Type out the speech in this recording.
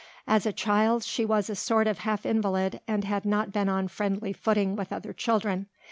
As a child she was a sort of half invalid and had not been on friendly footing with other children.